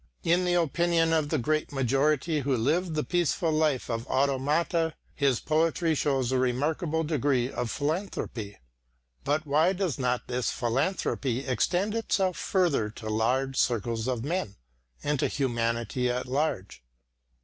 In the opinion of the great majority who live the peaceful life of automata his poetry shows a remarkable degree of philanthropy. But why does not this philanthropy extend itself further to large circles of men, and to humanity at large?